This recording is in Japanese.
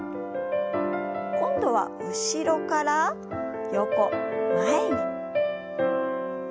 今度は後ろから横前に。